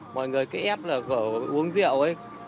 mọi người cứ ép là gỡ uống rượu ấy